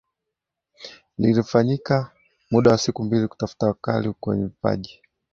Lilifanyika muda wa siku mbili kutafuta wakali wenye vipaji